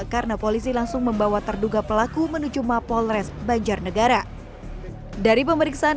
karena polisi langsung membawa terduga pelaku menuju mapolres banjarnegara dari pemeriksaan